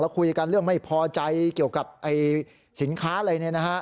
คุยกันเรื่องไม่พอใจเกี่ยวกับสินค้าอะไรเนี่ยนะฮะ